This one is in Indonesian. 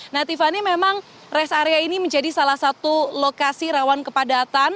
nah tiffany memang rest area ini menjadi salah satu lokasi rawan kepadatan